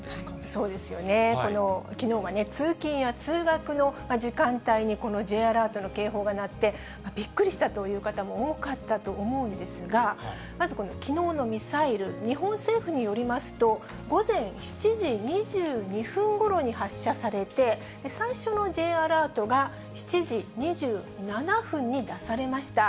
そうですよね、きのうはね、通勤や通学の時間帯にこのＪアラートの警報が鳴って、びっくりしたという方も多かったと思うんですが、まずこのきのうのミサイル、日本政府によりますと、午前７時２２分ごろに発射されて、最初のＪアラートが７時２７分に出されました。